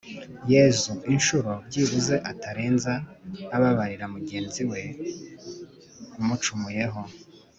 yezu inshuro byibuze atarenza ababarira mugenzi we umucumuyeho